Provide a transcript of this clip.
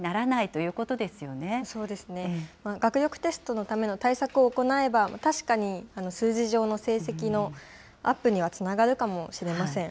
そうですね、学力テストのための対策を行えば、確かに数字上の成績のアップにはつながるかもしれません。